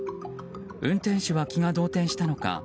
運転手は気が動転したのか